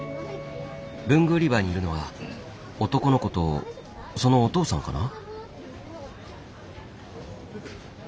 文具売り場にいるのは男の子とそのお父さんかな。